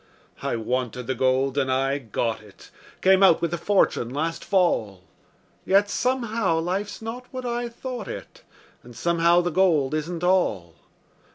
I wanted the gold, and I got it Came out with a fortune last fall, Yet somehow life's not what I thought it, And somehow the gold isn't all.